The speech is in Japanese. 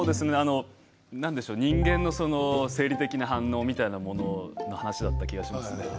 人間の生理的な反応みたいな話だったりしますね。